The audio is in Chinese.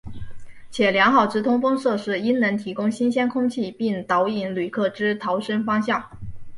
且良好之通风设施应能提供新鲜空气并导引旅客之逃生方向。